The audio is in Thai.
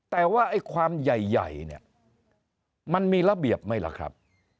แต่ว่าไอ้ความใหญ่เนี่ยมันมีระเบียบไหมล่ะครับ